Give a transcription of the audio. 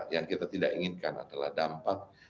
yang kita tidak inginkan adalah dampak